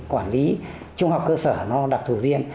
quản lý trung học cơ sở nó đặc thù riêng